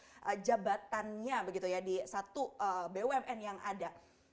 nah di komisaris jabatannya begitu ya di satu bumn yang ada